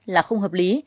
là không hợp lý